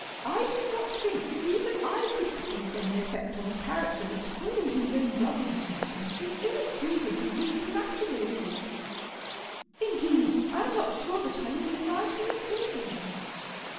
] I do not think that even I could produce any effect on a character that according to his own brother's admission is irretrievably weak and vacillating. Indeed I am not sure that I would desire to reclaim him.